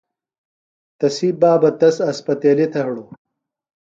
تسی بابہ تس اسپتیلیۡ تھےۡ ہڑوۡ۔